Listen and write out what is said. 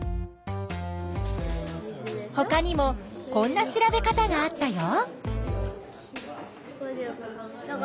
ほかにもこんな調べ方があったよ。